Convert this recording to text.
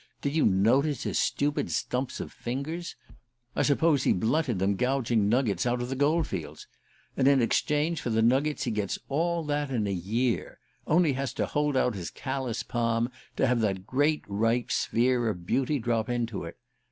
Did you notice his stupid stumps of fingers? I suppose he blunted them gouging nuggets out of the gold fields. And in exchange for the nuggets he gets all that in a year only has to hold out his callous palm to have that great ripe sphere of beauty drop into it!